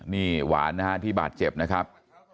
นี่หวานนะฮะที่บาดเจ็บนะครับ